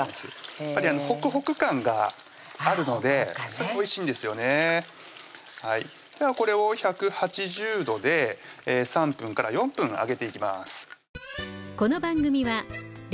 やっぱりほくほく感があるのでおいしいんですよねではこれを１８０度で３分から４分揚げていきます